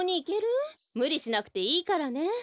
むりしなくていいからね。